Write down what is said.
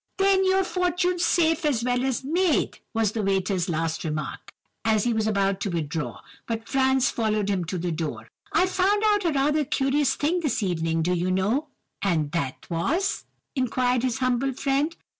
"'Then your fortune's safe as well as made!' was the waiter's last remark, as he was about to withdraw: but Franz followed him to the door. "'I found out a rather curious thing this evening, do you know!' "'And that was?—' inquired his humble friend.